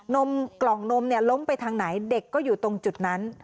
มกล่องนมเนี่ยล้มไปทางไหนเด็กก็อยู่ตรงจุดนั้น